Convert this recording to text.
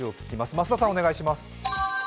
増田さん、お願いします。